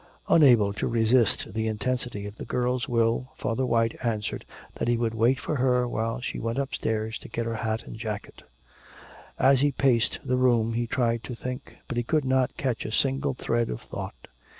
Unable to resist the intensity of the girl's will, Father White answered that he would wait for her while she went upstairs to get her hat and jacket. As he paced the room he tried to think, but he could not catch a single thread of thought.